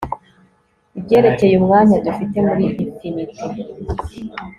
Ibyerekeye umwanya dufite muri infinite